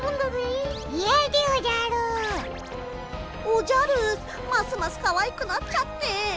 おじゃるますますかわいくなっちゃって。